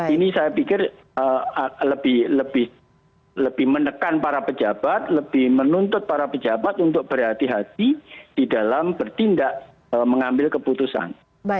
ini saya pikir lebih menekan para pejabat lebih menuntut para pejabat untuk berhati hati di dalam bertindak mengambil keputusan